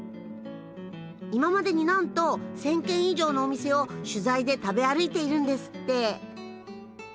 今までになんと１，０００軒以上のお店を取材で食べ歩いているんですって。